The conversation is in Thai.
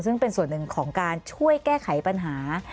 ซึ่งเป็นส่วนหนึ่งของการช่วยแก้ไขปัญหา